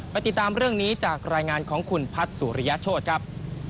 ติดตามเรื่องนี้จากรายงานของคุณพัฒน์สุริยโชธครับ